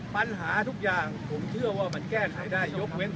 โปรดติดตามตอนต่อไป